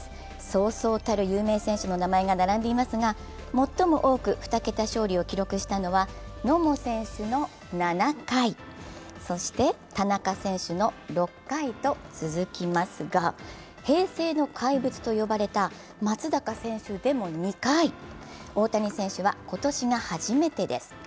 そうそうたる有名選手の名前が並んでいますが、最も多く２桁勝利を記録したのは野茂選手の７回、そして田中選手の６回と続きますが平成の怪物と呼ばれた松坂選手でも２回、大谷選手は今年が初めてです。